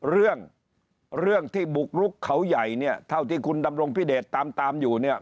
เรื่องเรื่องที่บุกรุกเขาใหญ่เนี่ยเท่าที่คุณดำรงพิเดชตามตามอยู่เนี่ย